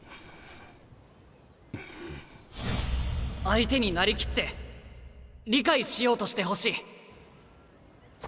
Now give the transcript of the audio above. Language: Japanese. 相手になりきって理解しようとしてほしい。